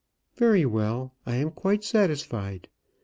"Very well; I am quite satisfied.